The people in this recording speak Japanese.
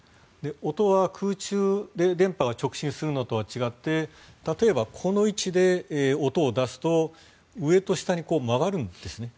音は、空中で電波が直進するのとは違って例えば、この位置で音を出すと上と下に曲がるんですね。